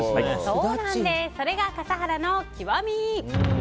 それが笠原の極み！